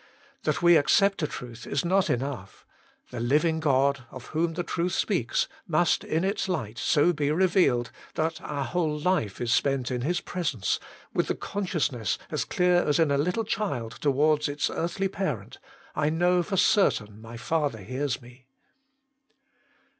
That we accept a truth is not enough ; the living God, of whom the truth speaks, must in its light so be revealed, that our whole life is spent in His presence, with the con sciousness as clear as in a little child towards its earthly parent I know for certain my father hears me.